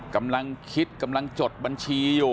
กำลังคิดกำลังจดบัญชีอยู่